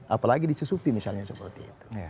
apalagi di susupi misalnya seperti itu